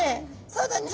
「そうだね